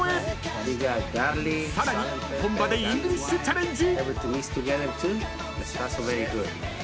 ［さらに本場でイングリッシュチャレンジ］